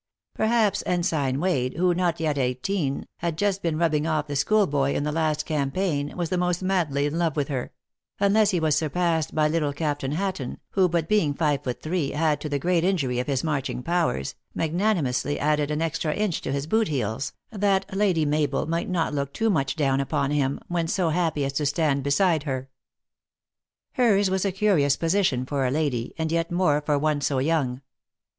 Perhaps Ensign AVade, who, not yet eighteen, had just been rubbing off the school boy in the last campaign, was the most madly in love with her ; unless he was surpassed by little Captain Hatton, who, being but five feet three, had, to the great injury of his marching powers, magnani mously added an extra inch to his boot heels, that Lady Mabel might not look too much down upon him, when so happy as to stand beside her. Hers was a curious position for a lady, and, yet, more for one so young.